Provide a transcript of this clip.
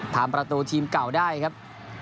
ทำประตูทีมเก่าได้ครับ